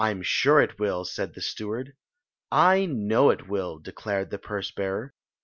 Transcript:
'n mre ii wM," said #ie steward, know it will," declared the purse bearer.